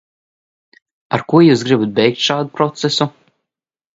Ar ko jūs gribat beigt šādu procesu?